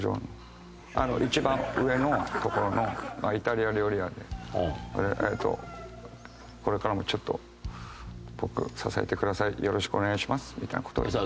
あの一番上の所のイタリア料理屋で「これからもちょっと僕を支えてください」「よろしくお願いします」みたいな事を言いました。